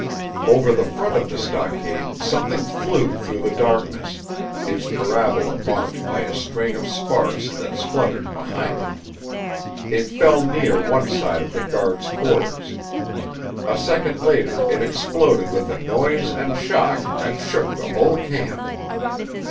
Over the front of the stockade something flew through the darkness, its parabola marked by a string of sparks that spluttered behind it. It fell near one side of the guards' quarters. A second later it exploded with a noise and shock that shook the whole camp.